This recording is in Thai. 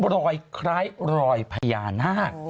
รอยคล้ายรอยพญานาค